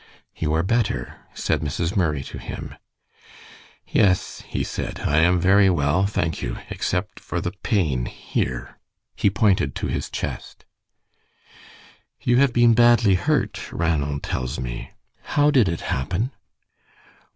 "You are better," said Mrs. Murray to him. "Yes," he said, "I am very well, thank you, except for the pain here." He pointed to his chest. "You have been badly hurt, Ranald tells me. How did it happen?"